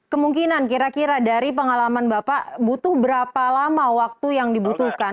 kemungkinan kira kira dari pengalaman bapak butuh berapa lama waktu yang dibutuhkan